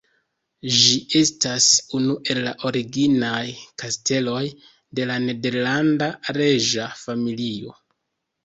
Ĝi estas unu el la originaj kasteloj de la nederlanda reĝa familio.